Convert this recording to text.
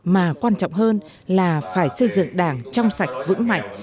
mà quan trọng hơn là phải xây dựng đảng trong sạch vững mạnh